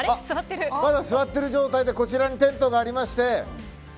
まだ座っている状態でこちらにテントがありまして。